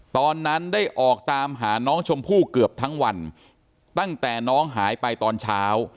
ตอนนั้นได้ออกตามหาน้องชมพู่เกือบทั้งวันตั้งแต่น้องหายไปตอนเช้า